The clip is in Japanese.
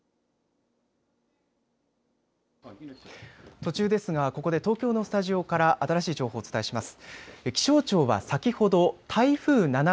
途中ですが、ここで東京のスタジオから新しい情報をお伝えします。